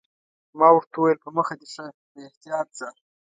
ما ورته وویل: په مخه دې ښه، په احتیاط ځه.